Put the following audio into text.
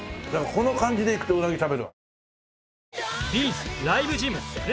この感じでいくとうなぎ食べる。